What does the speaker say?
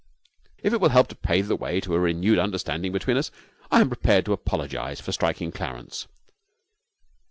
If it will help to pave the way to a renewed understanding between us, I am prepared to apologize for striking Clarence.